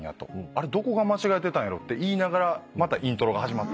あれどこが間違えてたんやろっていいながらまたイントロが始まった。